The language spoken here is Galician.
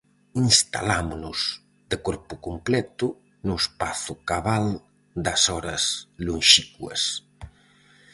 Instalámonos, de corpo completo, no espazo cabal das horas lonxincuas.